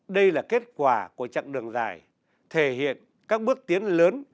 đây là kết quả của chặng đường dài thể hiện các bước tiến lớn